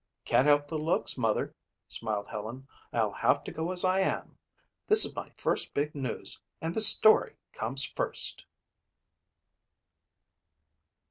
"Can't help the looks, mother," smiled Helen. "I'll have to go as I am. This is my first big news and the story comes first."